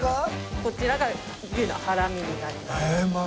こちらが牛のハラミになります。